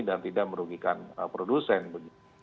dan tidak merugikan produsen